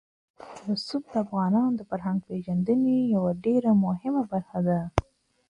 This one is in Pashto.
رسوب د افغانانو د فرهنګي پیژندنې یوه ډېره مهمه برخه ده.